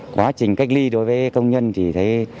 quá trình cách ly đối với công nhân thì thấy